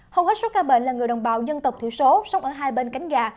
hầu hết số ca bệnh là người đồng bào dân tộc thiểu số sống ở hai bên cánh gà